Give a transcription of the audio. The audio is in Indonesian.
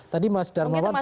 tadi mas darmawan sudah